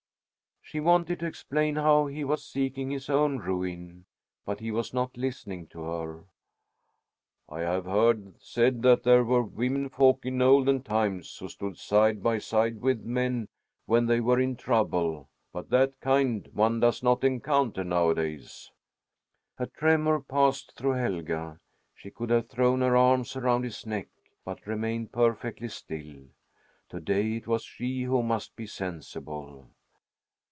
She wanted to explain how he was seeking his own ruin, but he was not listening to her. "I have heard said that there were women folk in olden times who stood side by side with men when they were in trouble; but that kind one does not encounter nowadays." A tremor passed through Helga. She could have thrown her arms around his neck, but remained perfectly still. To day it was she who must be sensible.